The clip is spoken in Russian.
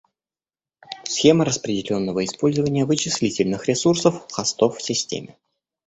Схема распределенного использования вычислительных ресурсов хостов в системе